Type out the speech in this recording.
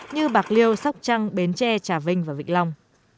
như bạc liêu sóc trăng bến tre trà vinh và vĩnh long